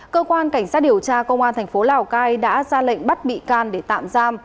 cơ quan cảnh sát điều tra công an thành phố lào cai đã ra lệnh bắt bị can để tạm giam